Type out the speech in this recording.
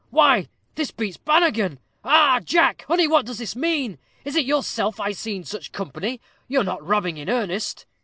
"Why, this beats Banaghan. Arrah! Jack, honey, what does this mean? Is it yourself I see in such company? You're not robbing in earnest?"